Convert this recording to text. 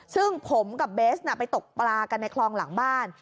ซึ่งผมกับเบสไปตกปลากันในคลองหลังบ้าน